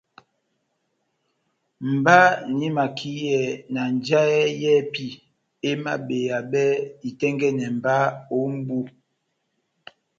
Mba nahimakiyɛ na njahɛ yɛ́hɛpi emabeyabɛ itɛ́ngɛ́nɛ mba ó mbu